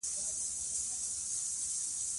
چې موږ یې ولیدو، ډېر خوشحاله شو.